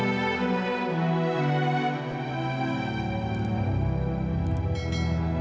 ibu mau ikut dank